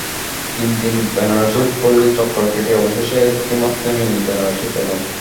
তিন দিন বেনারসি পল্লি চক্কর কেটে অবশেষে একটি মাত্র নীল বেনারসি পেলাম।